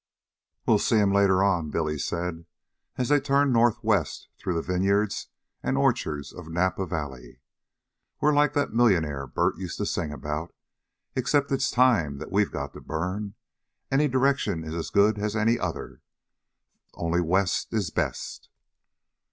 "We'll see 'm later on," Billy said, as they turned northwest, through the vineyards and orchards of Napa Valley. "We're like that millionaire Bert used to sing about, except it's time that we've got to burn. Any direction is as good as any other, only west is best."